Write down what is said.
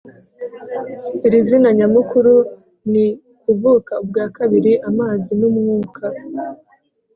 Iri zina nyamukuru ni kuvuka ubwa kabiri Amazi nUmwuka